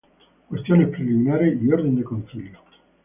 Cuestiones preliminares y orden del concilio.